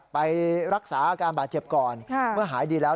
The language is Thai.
ไปรักษาอาการบาดเจ็บก่อนเมื่อหายดีแล้ว